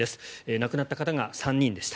亡くなった方が３人でした。